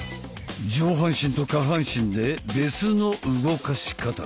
上半身と下半身で別の動かし方。